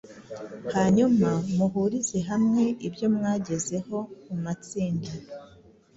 hanyuma muhurize hamwe ibyo mwagezeho mu matsinda